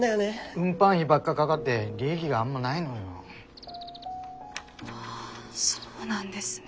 運搬費ばっかかがって利益があんまないのよ。はあそうなんですね。